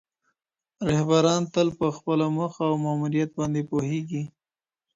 رهبران تل په خپله موخه او ماموریت باندي پوهېږي.